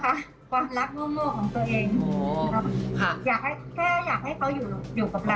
แค่อยากให้เขาอยู่กับเรา